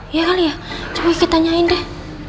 iya kali ya coba kita tanyain deh